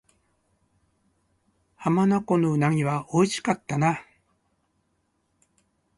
浜名湖の鰻は美味しかったな